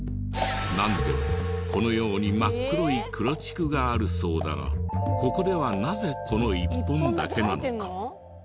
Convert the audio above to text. なんでもこのように真っ黒い黒竹があるそうだがここではなぜこの１本だけなのか？